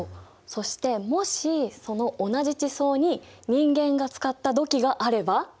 そしてもしその同じ地層に人間が使った土器があれば。